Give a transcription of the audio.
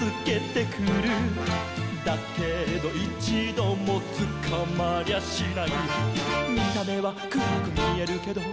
「だけどいちどもつかまりゃしない」「見た目はくらくみえるけど」